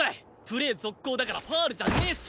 プレー続行だからファウルじゃねえし！